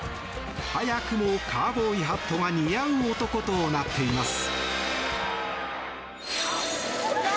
早くもカウボーイハットが似合う男となっています。